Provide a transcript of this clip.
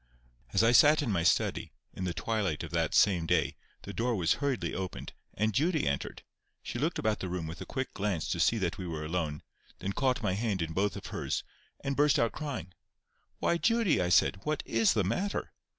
As I sat in my study, in the twilight of that same day, the door was hurriedly opened, and Judy entered. She looked about the room with a quick glance to see that we were alone, then caught my hand in both of hers, and burst out crying. "Why, Judy!" I said, "what IS the matter?"